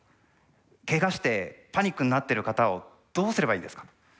けがしてパニックになってる方をどうすればいいですか？